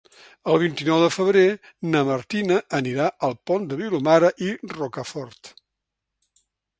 El vint-i-nou de febrer na Martina anirà al Pont de Vilomara i Rocafort.